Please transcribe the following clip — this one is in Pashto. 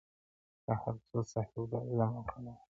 که هرڅو صاحب د علم او کمال یې,